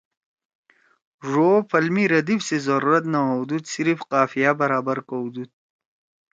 ڙو او پھل می ردیف سی ضرورت نہ ہؤدُود صرف قافیہ برابر کؤدُود